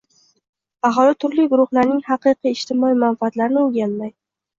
aholi turli guruhlarining haqiqiy ijtimoiy manfaatlarini o‘rganmay